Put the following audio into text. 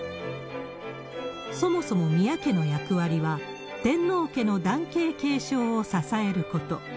そもそも宮家の役割は、天皇家の男系継承を支えること。